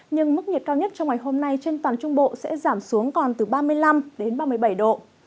nhưng mức nhiệt cao nhất trong ngày hôm nay trên toàn trung bộ sẽ giảm xuống còn từ ba mươi năm đến ba mươi bảy độ